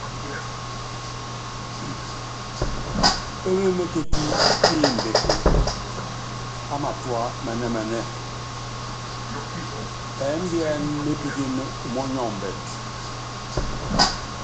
Pémémékéti pimbɛk á matua ɛ́mbiɛ́n.